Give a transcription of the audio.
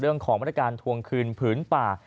เรื่องของมาตรการทวงคลืนผืนผ่า